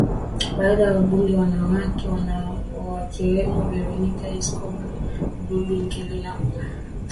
Baadhi ya wabunge wanawake wakiwemo Veronica Escobar Robin Kelly na Val Demings